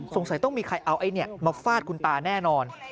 สงสัยต้องมีใครเอาอันนี้มาฟาดคุณตาแน่นอน